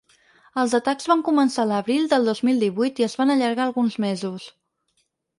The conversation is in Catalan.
Els atacs van començar l’abril de dos mil divuit i es van allargar alguns mesos.